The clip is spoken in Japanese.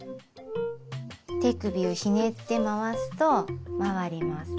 手首をひねって回すと回ります。